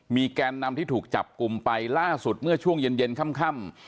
แกนนำที่ถูกจับกลุ่มไปล่าสุดเมื่อช่วงเย็นค่ำ